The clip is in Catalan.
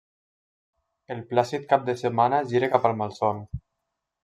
El plàcid cap de setmana gira cap al malson.